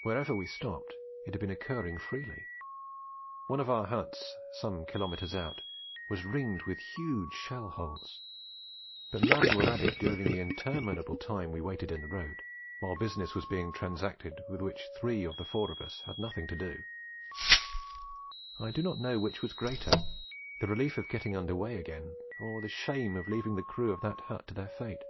Wherever we stopped, it had been occurring freely. One of our huts, some kilometres out, was ringed with huge shell holes; but none were added during the interminable time we waited in the road, while business was being transacted with which three of the four of us had nothing to do. I do not know which was greater, the relief of getting under way again, or the shame of leaving the crew of that hut to their fate.